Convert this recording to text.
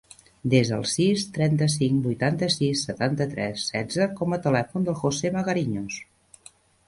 Desa el sis, trenta-cinc, vuitanta-sis, setanta-tres, setze com a telèfon del José Magariños.